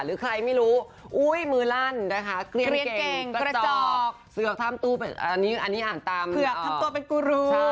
หรือใครไม่รู้อุ๊ยมือลั่นกระจอกเสือกทำตูเป็นกุรู